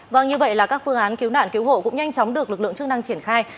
vâng như vậy là các phương án cứu nạn cứu hộ cũng nhanh chóng được lực lượng chức năng triển khai